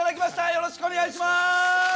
よろしくお願いします！